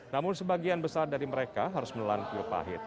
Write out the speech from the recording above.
namun sebagian besar dari mereka harus melalui upahit